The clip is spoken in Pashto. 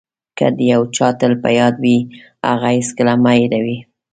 که د یو چا تل په یاد وئ هغه هېڅکله مه هیروئ.